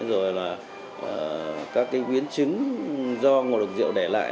rồi là các quyến chứng do ngộ độc rượu để lại